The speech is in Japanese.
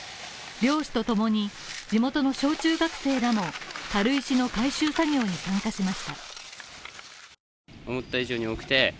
漁師とともに、地元の小中学生らの軽石の回収作業に参加します。